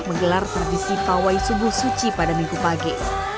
menggelar tradisi pawai subuh suci pada minggu pagi